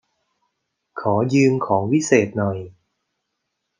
ขอยืมของวิเศษหน่อย